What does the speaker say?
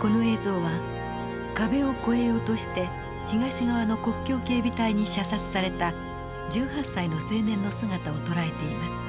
この映像は壁を越えようとして東側の国境警備隊に射殺された１８歳の青年の姿をとらえています。